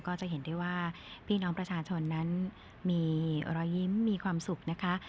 ก็จะเห็นได้ว่าพี่น้องประชาชนนั้นมีรอยยิ้มมีความสุขนะคะ